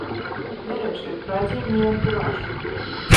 Дарэчы, пра адзенне і антураж.